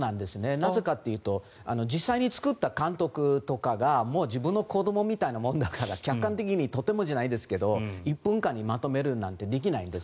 なぜかというと実際に作った監督とかがもう自分の子どもみたいなものだから客観的にとてもじゃないですが１分間にまとめるなんてできないんです。